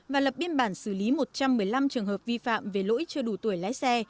và lập biên bản xử lý một trăm một mươi năm trường hợp vi phạm về lỗi chưa đủ tuổi lái xe